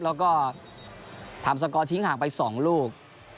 แล้วก็ทำสกอร์ทิ้งห่างไป๒ลูก